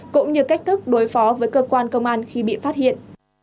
cũng như cách thức đối phó với cơ quan công an khi bị phát hiện